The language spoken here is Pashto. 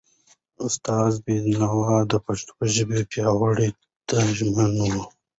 استاد بینوا د پښتو ژبې پیاوړتیا ته ژمن و.